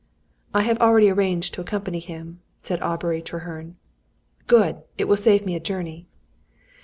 "I have already arranged to accompany him," said Aubrey Treherne. "Good; it will save me a journey."